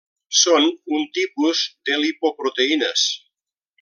Són un tipus de lipoproteïnes.